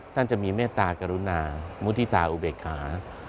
ท่านจะมีเมตตากรุณามุฒิตาอุเบกขา